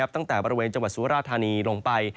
ตั้งแต่บริเวณจังหวัดสุราธานีลงไป